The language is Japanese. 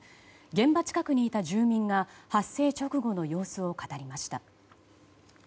現場近くにいた住民が発生直後の様子を語りました。